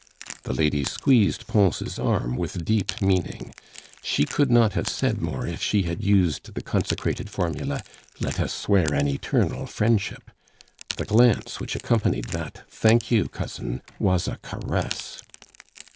The lady squeezed Pons' arm with deep meaning; she could not have said more if she had used the consecrated formula, "Let us swear an eternal friendship." The glance which accompanied that "Thank you, cousin," was a caress.